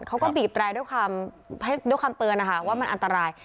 เขาก็บีบแรงด้วยคำเตือนว่ามันอันตราย